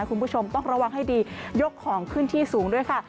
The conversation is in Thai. คุณผู้ชมต้องระวังให้ดียกของขึ้นที่สูงด้วยค่ะ